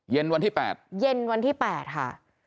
วันที่๘เย็นวันที่๘ค่ะ